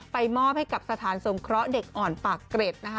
มอบให้กับสถานสงเคราะห์เด็กอ่อนปากเกร็ดนะคะ